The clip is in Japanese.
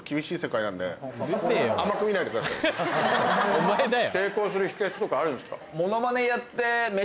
お前だよ。